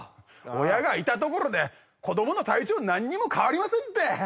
親がいたところで子どもの体調なんにも変わりませんって。